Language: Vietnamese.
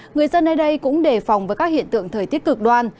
người dân nơi đây cũng đề phòng với các hiện tượng thời tiết cực đoan